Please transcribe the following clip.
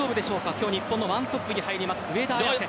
今日、日本の１トップに入ります上田綺世。